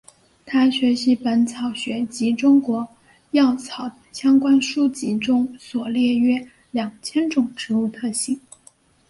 他学习本草学及中国药草相关书籍中所列约两千种植物特性。